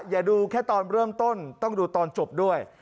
อย่าดูแค่ตอนเริ่มต้นต้องดูตอนจบด้วย